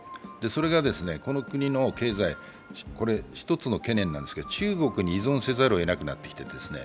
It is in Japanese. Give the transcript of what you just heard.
それがこの国の経済、一つの懸念なんですが、中国に依存せざるを得なくなってきているんですね。